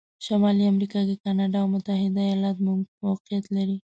شمالي امریکا کې کانادا او متحتد ایالتونه موقعیت لري.